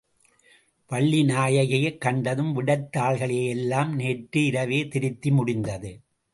வள்ளி நாயகியைக் கண்டதும், விடைத்தாள்களையெல்லாம் நேற்று இரவே திருத்தி முடிந்தது.